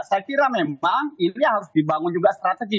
saya kira memang ini harus dibangun juga strategi